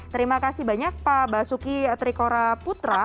terima kasih banyak pak basuki trikora putra